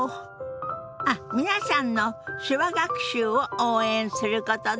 あっ皆さんの手話学習を応援することです！